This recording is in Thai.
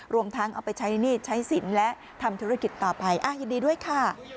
รวมทั้งเอาไปใช้หนี้ใช้สินและทำธุรกิจต่อไปยินดีด้วยค่ะ